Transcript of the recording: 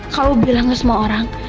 kalau bilang ke semua orang